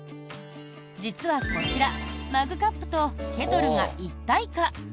実はこちらマグカップとケトルが一体化。